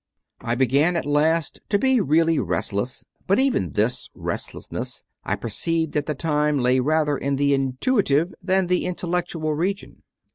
7. I began at last to be really restless. But even this restlessness, I perceived at the time, lay rather in the intuitive than the intellectual region.